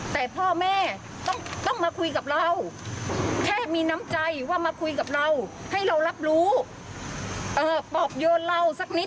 เดี๋ยวก็บึกเบินกี่การคาดขาบีหรือว่าถึงมางกว่าพ่อบี